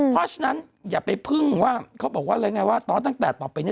เพราะฉะนั้นอย่าไปพึ่งว่าเขาบอกว่าเลยไงว่าตอนตั้งแต่ต่อไปเนี่ย